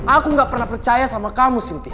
aku gak pernah percaya sama kamu sintia